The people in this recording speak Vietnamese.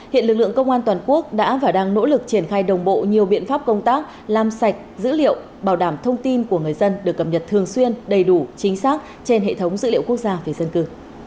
hiện lực lượng công an toàn quốc đã và đang nỗ lực triển khai đồng bộ nhiều biện pháp công tác làm sạch dữ liệu bảo đảm thông tin của người dân được cập nhật thường xuyên đầy đủ chính xác trên hệ thống dữ liệu quốc gia về dân cư